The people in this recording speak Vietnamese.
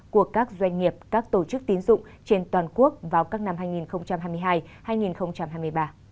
của các doanh nghiệp các tổ chức tín dụng trên toàn quốc vào các năm hai nghìn hai mươi hai hai nghìn hai mươi ba